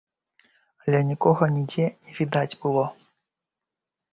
Але нікога нідзе не відаць было.